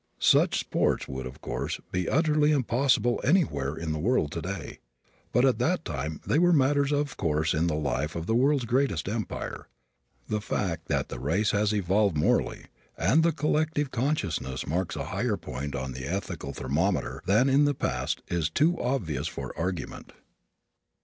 Such "sports" would, of course, be utterly impossible anywhere in the world today. But at that time they were matters of course in the life of the world's greatest empire. The fact that the race has evolved morally and that the collective conscience marks a higher point on the ethical thermometer than in the past is too obvious for argument.